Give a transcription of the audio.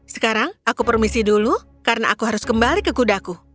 sekarang aku permisi dulu karena aku harus kembali ke kudaku